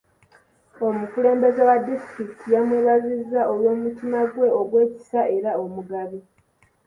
Omukulembeze wa disitulikiti yamwebazizza olw'omutima gwe ogw'ekisa era omugabi.